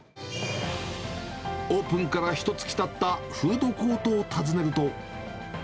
オープンからひとつきたったフードコートを訪ねると。